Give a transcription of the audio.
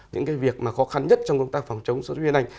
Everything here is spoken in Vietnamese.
những cái việc mà khó khăn nhất trong công tác phòng chống sốt huyết này